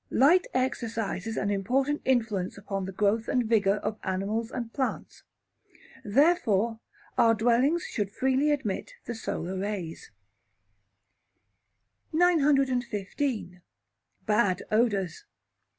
Light exercises an important influence upon the growth and vigour of animals and plants. Therefore, our dwellings should freely admit the solar rays. 915. Bad Odours.